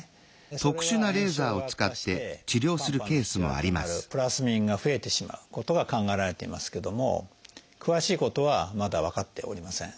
それは炎症が悪化して肝斑の引き金となるプラスミンが増えてしまうことが考えられていますけども詳しいことはまだ分かっておりません。